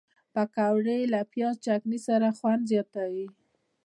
پکورې له پیاز چټني سره خوند زیاتوي